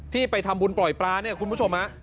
ที่ไปทำบุญปล่อยปลาเนี่ยคุณผู้ชม